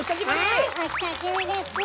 はいお久しぶりです。